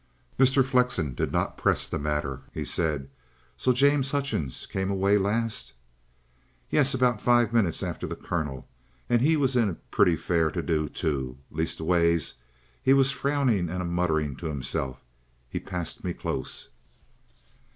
Mr. Flexen did not press the matter. He said: "So James Hutchings came away last?" "Yes; about five minutes after the Colonel. And 'e was in a pretty fair to do, too. Leastways, he was frowning and a muttering of to 'imself. He passed me close."